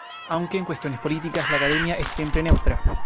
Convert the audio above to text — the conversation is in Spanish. Aunque en cuestiones políticas, la Academia es siempre neutra.